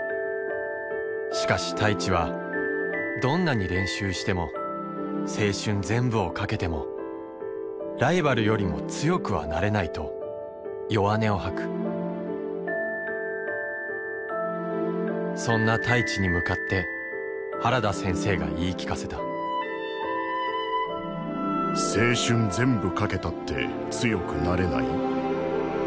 しかし太一はどんなにれんしゅうしても青春ぜんぶを懸けてもライバルよりも強くはなれないとよわねをはくそんな太一にむかって原田先生がいいきかせた“青春ぜんぶ懸けたって強くなれない”？